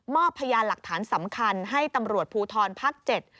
พยานหลักฐานสำคัญให้ตำรวจภูทรภาค๗